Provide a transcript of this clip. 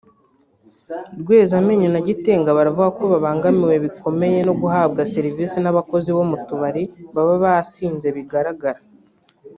Rwezamenyo na Gitega baravuga ko babangamiwe bikomeye no guhabwa serivise n’abakozi bo mu tubari baba basinze bigaragara